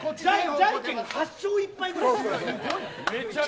じゃんけんも８勝１敗ぐらいですから。